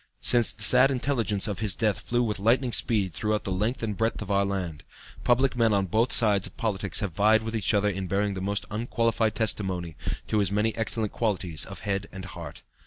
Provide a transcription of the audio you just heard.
Since the sad intelligence of his death flew with lightning speed throughout the length and breadth of our land, public men on both sides of politics have vied with each other in bearing the most unqualified testimony to his many excellent qualities of head and heart.